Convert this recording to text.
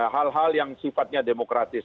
hal hal yang sifatnya demokratis